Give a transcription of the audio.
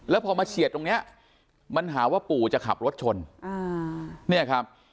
แล้วพอมาเฉียดตรงเนี้ยมันหาว่าปู่จะขับรถชนอ่าเนี่ยครับ